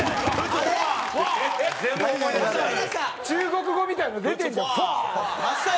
中国語みたいの出てるじゃん「ファー」。